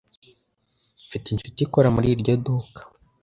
Mfite inshuti ikora muri iryo duka.